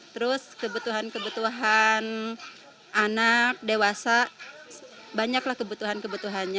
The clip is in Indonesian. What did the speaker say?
terus kebutuhan kebutuhan anak dewasa banyaklah kebutuhan kebutuhannya